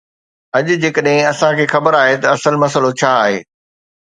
اڄ جيڪڏهن اسان کي خبر آهي ته اصل مسئلو ڇا آهي.